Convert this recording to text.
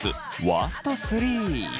ワースト３。